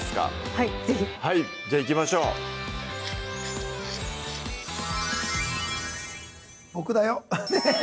はい是非はいじゃあいきましょうボクだよ